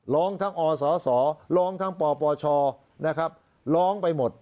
ร้องทั้งอศร้องทั้งปปชนะครับร้องไปหมด